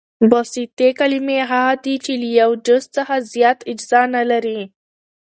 بسیطي کلیمې هغه دي، چي له یوه جز څخه زیات اجزا نه لري.